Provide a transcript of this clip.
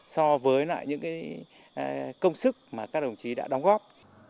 so với lại những công sức mà các đồng chí đã đóng góp